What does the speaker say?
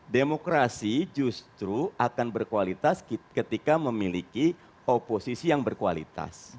demokrasi justru akan berkualitas ketika memiliki oposisi yang berkualitas